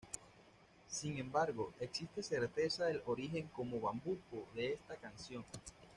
Sin embargo, existe certeza del origen como bambuco de esta canción.